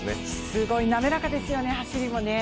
すごい滑らかですよね、走りも。